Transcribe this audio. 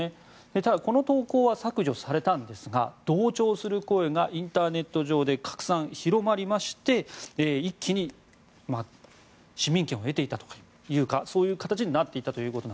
ただ、この投稿は削除されたんですが同調する声がインターネット上で拡散広まりまして一気に市民権を得ていったというかそういう形になっていったと。